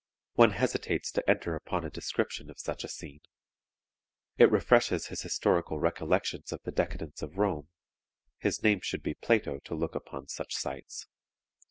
One hesitates to enter upon a description of such a scene. It refreshes his historical recollections of the decadence of Rome; his name should be Plato to look upon such sights.